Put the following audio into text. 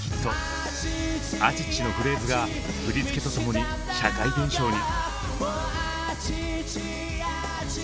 「アチチ」のフレーズが振り付けと共に社会現象に。